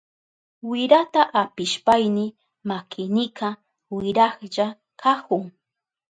Wirata apishpayni makinika wirahlla kahun.